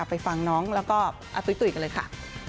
ไปฟังน้องแล้วก็ตุ๊กกันเลยค่ะ